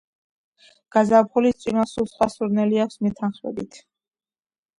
გაზაფხულის წვიმას სულ სხვა სურნელი აქვს , მეთანხმებით.